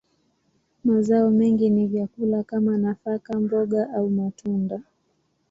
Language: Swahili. Mazao mengi ni vyakula kama nafaka, mboga, au matunda.